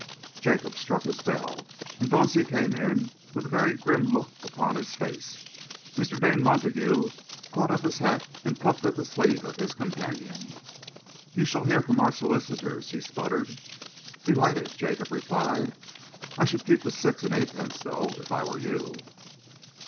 Jacob struck his bell, and Dauncey came in with a very grim look upon his face. Mr. Dane Montague caught up his hat and plucked at the sleeve of his companion. "You shall hear from our solicitors," he spluttered. "Delighted!" Jacob replied. "I should keep the six and eightpence, though, if I were you."